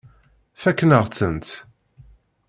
Fakken-aɣ-tent.